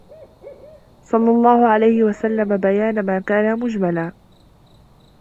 صَلَّى اللَّهُ عَلَيْهِ وَسَلَّمَ بَيَانَ مَا كَانَ مُجْمَلًا